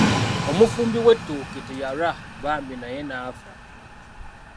Omufumbi w'ettooke teyalwa bambi naye n'afa.